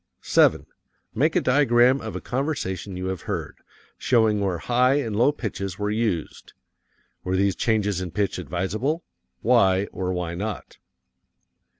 7. Make a diagram of a conversation you have heard, showing where high and low pitches were used. Were these changes in pitch advisable? Why or why not?